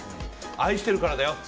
愛してるからだよって。